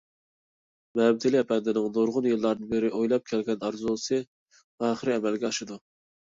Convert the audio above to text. مەمتىلى ئەپەندىنىڭ نۇرغۇن يىللاردىن بېرى ئويلاپ كەلگەن ئارزۇسى ئاخىر ئەمەلگە ئاشىدۇ.